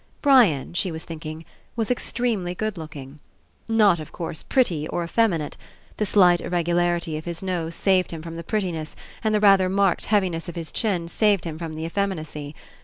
Brian, she was thinking, was extremely good looking. Not, of course, pretty or effemi nate; the slight irregularity of his nose saved him from the prettiness, and the rather marked heaviness of his chin saved him from the ef feminacy.